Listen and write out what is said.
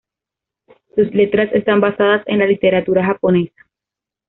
Sus letras están basadas en la literatura japonesa.